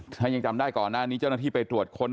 ถ้ายังจำได้ก่อนหน้านี้เจ้าหน้าที่ไปตรวจค้น